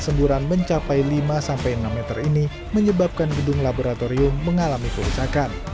semburan mencapai lima sampai enam meter ini menyebabkan gedung laboratorium mengalami kerusakan